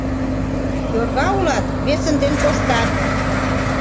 Йорга улат, весын ден коштат